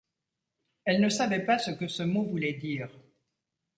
Elle ne savait pas ce que ce mot voulait dire.